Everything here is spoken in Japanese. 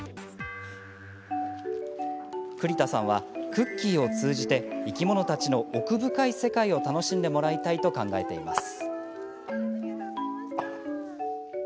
栗田さんはクッキーを通じて生き物たちの奥深い世界を楽しんでもらいたいと考えています。